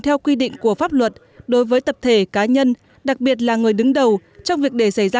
theo quy định của pháp luật đối với tập thể cá nhân đặc biệt là người đứng đầu trong việc để xảy ra